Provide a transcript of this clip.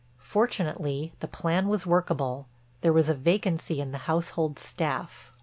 Fortunately the plan was workable; there was a vacancy in the household staff.